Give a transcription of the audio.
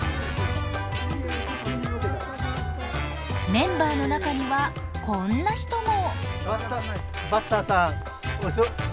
メンバーの中にはこんな人も。